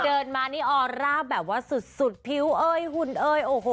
เดินมานี่ออร่าแบบว่าสุดผิวเอ้ยหุ่นเอ่ยโอ้โห